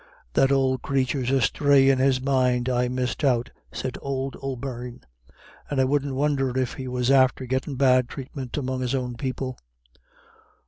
"That old crathur's asthray in his mind, I misdoubt," said old O'Beirne, "and I wouldn't won'er if he was after gettin' bad thratement among his own people."